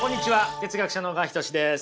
哲学者の小川仁志です。